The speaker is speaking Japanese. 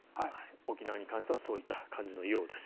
沖縄に関してはそういう方針のようです。